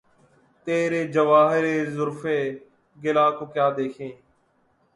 تیرے جواہرِ طُرفِ کلہ کو کیا دیکھیں!